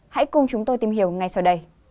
hãy cùng chúng tôi tìm hiểu ngay sau đây